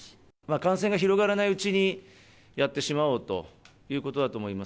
感染が広がらないうちにやってしまおうということだと思います。